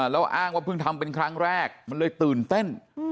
แล้วอ้างว่าเพิ่งทำเป็นครั้งแรกมันเลยตื่นเต้น